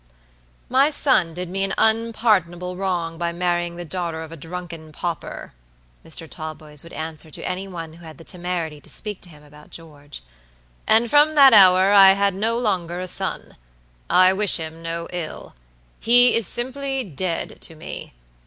"My son did me an unpardonable wrong by marrying the daughter of a drunken pauper," Mr. Talboys would answer to any one who had the temerity to speak to him about George, "and from that hour I had no longer a son. I wish him no ill. He is simply dead to me.